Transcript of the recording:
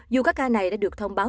dù các ca này đã được thông báo